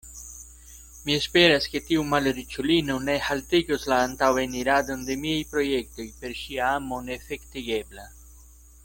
Mi esperas, ke tiu malriĉulino ne haltigos la antaŭeniradon de miaj projektoj per ŝia amo neefektivigebla.